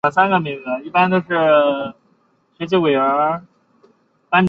洼点蓼为蓼科蓼属下的一个变种。